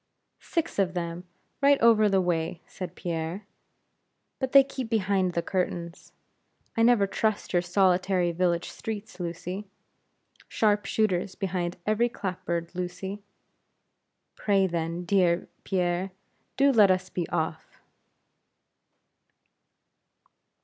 "Six of them, right over the way," said Pierre; "but they keep behind the curtains. I never trust your solitary village streets, Lucy. Sharp shooters behind every clap board, Lucy." "Pray, then, dear Pierre, do let us be off!"